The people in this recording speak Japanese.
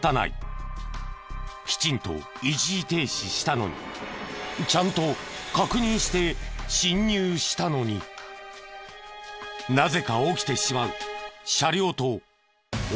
きちんと一時停止したのにちゃんと確認して進入したのになぜか起きてしまう車両と横断中の歩行者の事故。